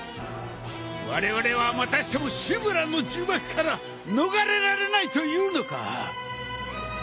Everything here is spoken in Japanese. われわれはまたしてもシブラーの呪縛から逃れられないというのか。